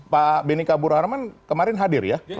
pak benika burarman kemarin hadir ya